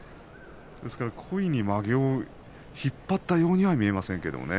故意にまげを引っ張ったようには見えませんけどね。